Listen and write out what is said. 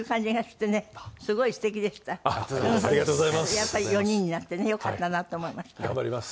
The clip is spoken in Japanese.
やっぱり４人になってねよかったなと思いました。